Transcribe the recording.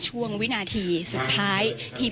ชอบขาวเขียวอย่างเนี่ยดอกไม้ทรงนี้คือกับแกชอบเรียบ